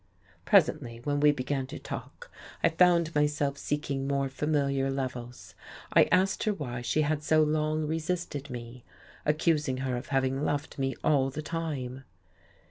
Presently, when we began to talk, I found myself seeking more familiar levels. I asked her why she had so long resisted me, accusing her of having loved me all the time.